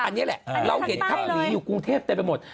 อันนี้แหละเราเห็นถ้ำหลีอยู่กรุงเทพเต็มไปหมด